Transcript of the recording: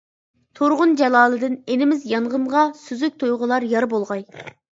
تۇرغۇن جالالىدىن، ئىنىمىز يانغىنغا سۈزۈك تۇيغۇلار يار بولغاي.